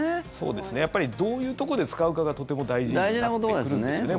やっぱりどういうところで使うかがとても大事になってくるんですよね。